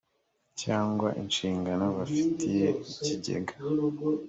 cyangwa inshingano bafitiye ikigega